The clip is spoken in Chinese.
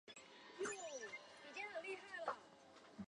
母仲氏。